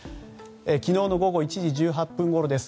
昨日の午後１時１８分ごろです。